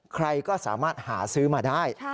ใครก็สามารถหาซื้อมาได้